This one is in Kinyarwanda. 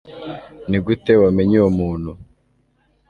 Nigute wamenye uwo muntu?